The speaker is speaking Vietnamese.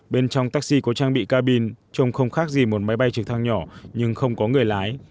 bên trong taxi có trang bị cabin trông không khác gì một máy bay trực thăng nhỏ nhưng không có người lái